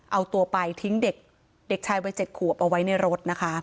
เอาตัวไปทิ้งเด็กชายวัย๗ขวบเอาไว้ในรถนะคะ